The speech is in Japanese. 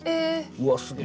うわすげえ！